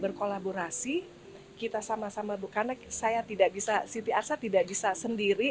berkolaborasi kita sama sama karena ct arsa tidak bisa sendiri